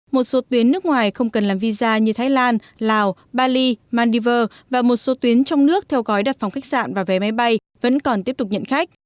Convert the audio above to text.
một số tuyến nước ngoài không cần làm visa như thái lan lào bali maldives và một số tuyến trong nước theo gói đặt phòng khách sạn và vé máy bay vẫn còn tiếp tục nhận khách